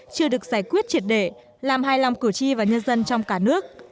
chưa được giải quyết triệt để làm hài lòng cử tri và nhân dân trong cả nước